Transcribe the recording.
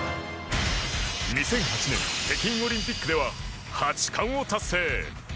２００８年北京オリンピックでは８冠を達成。